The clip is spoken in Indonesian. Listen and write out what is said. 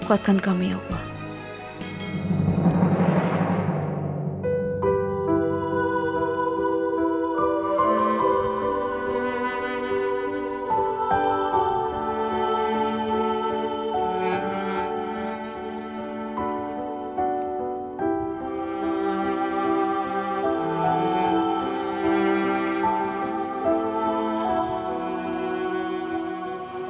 kuatkan kami ya allah